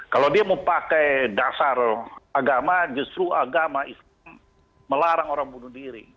kalau dia mau pakai dasar agama justru agama islam melarang orang bunuh diri